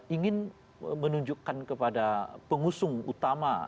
ingin menunjukkan kepada pengusung utama